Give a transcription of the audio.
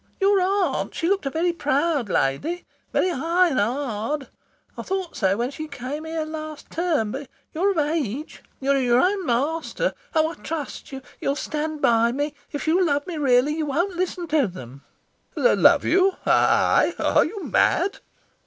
"Your aunt, she looked a very proud lady very high and hard. I thought so when she came here last term. But you're of age. You're your own master. Oh, I trust you; you'll stand by me. If you love me really you won't listen to them." "Love you? I? Are you mad?"